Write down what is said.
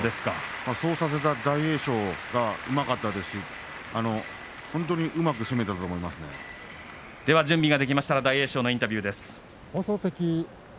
そうさせた大栄翔がうまかったですし大栄翔のインタビューです。